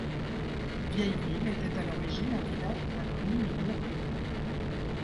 Vieilleville était à l'origine un village de la commune de Mourioux.